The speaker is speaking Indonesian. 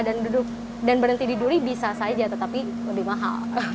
dan duduk dan berhenti di duri bisa saja tetapi lebih mahal